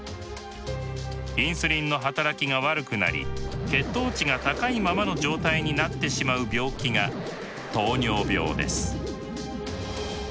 インスリンの働きが悪くなり血糖値が高いままの状態になってしまう病気が糖尿病です。